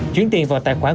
chuyển tiền vào tài khoản